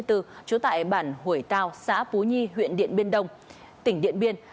trú tại bản hủy tào xã phú nhi huyện điện biên đông tỉnh điện biên